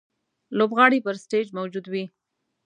لوبغاړی پر سټېج موجود وي.